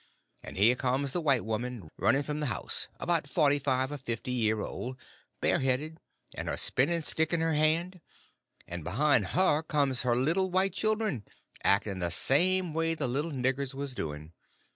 And here comes the white woman running from the house, about forty five or fifty year old, bareheaded, and her spinning stick in her hand; and behind her comes her little white children, acting the same way the little niggers was doing.